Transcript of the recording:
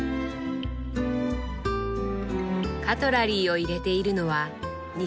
カトラリーを入れているのは鰊鉢。